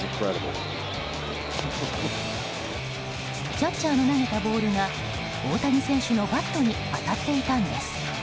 キャッチャーの投げたボールが大谷選手のバットに当たっていたんです。